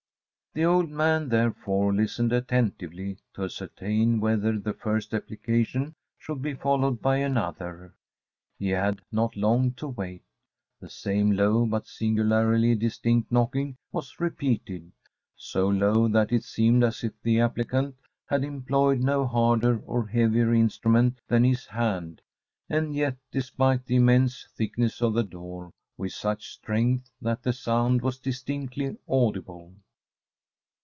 The old man, therefore, listened attentively, to ascertain whether the first application should be followed by another. He had not long to wait. The same low but singularly distinct knocking was repeated; so low that it seemed as if the applicant had employed no harder or heavier instrument than his hand, and yet, despite the immense thickness of the door, with such strength that the sound was distinctly audible.